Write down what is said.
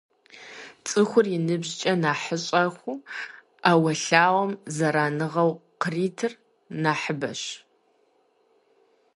ЦӀыхур и ныбжькӀэ нэхъыщӀэху, Ӏэуэлъауэм зэраныгъэу къритыр нэхъыбэщ.